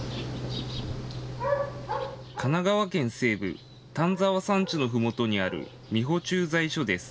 神奈川県西部、丹沢山地のふもとにある三保駐在所です。